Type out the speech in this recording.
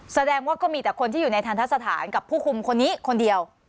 แสดงว่าก็มีแต่คนที่อยู่ในทันทะสถานกับผู้คุมคนนี้คนเดียว